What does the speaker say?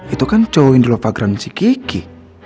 itu kan cowok yang dilopak geran si kiki